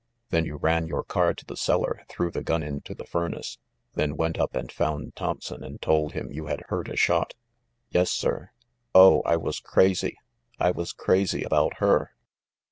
"Then you ran your car to the cellar, threw the gun into the furnace, then went up and found Thompson and told him you had heard a shot ?" "Yes, sir. Oh, I was crazy! I was crazy about her!"